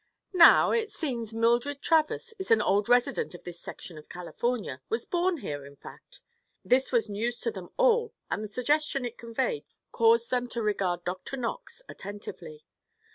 Now, it seems Mildred Travers is an old resident of this section of California. Was born here, in fact." This was news to them all and the suggestion it conveyed caused them to regard Dr. Knox attentively.